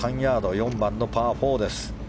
４番のパー４です。